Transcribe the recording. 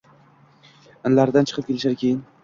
Inlaridan chiqib kelishar keyin